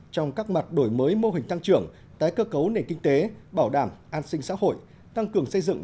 trong các mặt đổi mới mô hình tăng trưởng tái cơ cấu nền kinh tế bảo đảm an sinh xã hội tăng cường xây dựng